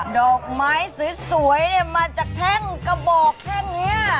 ดอกไม้สวยมาจากแท่งกระบอกแท่งนี้